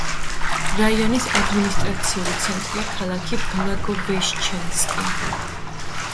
რაიონის ადმინისტრაციული ცენტრია ქალაქი ბლაგოვეშჩენსკი.